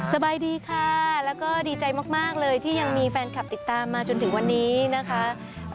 สบายดีค่ะแล้วก็ดีใจมากเลยที่ยังมีแฟนคลับติดตามมาจนถึงวันนี้นะคะ